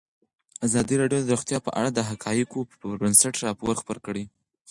ازادي راډیو د روغتیا په اړه د حقایقو پر بنسټ راپور خپور کړی.